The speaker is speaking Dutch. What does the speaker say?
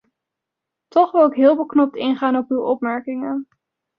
Toch wil ik heel beknopt ingaan op uw opmerkingen.